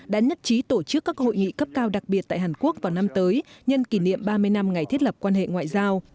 đã nhất trí tổ chức các hội nghị cấp cao đặc biệt tại hàn quốc vào năm tới nhân kỷ niệm ba mươi năm ngày thiết lập quan hệ ngoại giao